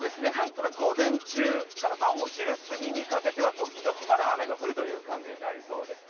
ただ、午前中からお昼過ぎにかけては時々まだ雨が降るという感じになりそうです。